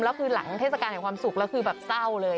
แล้วคือหลังเทศกาลแห่งความสุขแล้วคือแบบเศร้าเลย